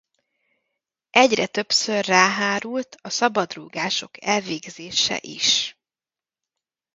Egyre többször rá hárult a szabadrúgások elvégzése is.